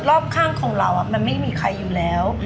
รอบข้างของเรามันไม่มีใครอยู่แล้ว